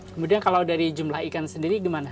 kemudian kalau dari jumlah ikan sendiri gimana